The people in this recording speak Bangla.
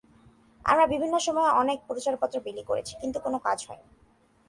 আমরা বিভিন্ন সময়ে অনেক প্রচারপত্র বিলি করেছি, কিন্তু কোনো কাজ হয়নি।